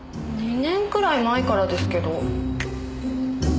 ２年くらい前からですけど。